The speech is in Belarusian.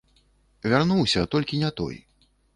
Вярнуўся, толькі не той.